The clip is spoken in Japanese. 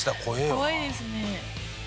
怖いですね。